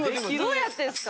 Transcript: どうやってんすか。